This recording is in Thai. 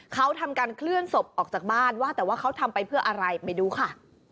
เขาทำการเคลื่อนศพออกจากบ้านว่าแต่ว่าเขาทำไปเพื่ออะไรไปดูค่ะ